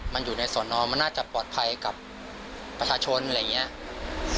มันอยู่ในสอนอมันน่าจะปลอดภัยกับประชาชนอะไรอย่างนี้